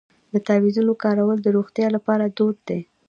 د تعویذونو کارول د روغتیا لپاره دود دی.